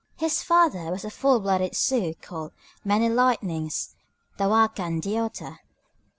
His father was a full blooded Sioux called "Many Lightnings," (Tawakanhdeota).